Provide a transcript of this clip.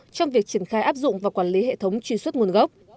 trong việc triển khai áp dụng và quản lý hệ thống truy xuất nguồn gốc